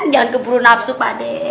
jangan keburu nafsu pade